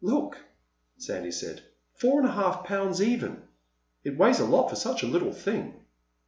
"Look," Sandy said. "Four and a half pounds even. It weighs a lot for such a little thing."